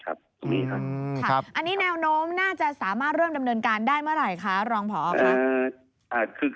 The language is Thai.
อันนี้แนวโน้มน่าจะสามารถเริ่มดำเนินการได้เมื่อไหร่คะรองพอค่ะ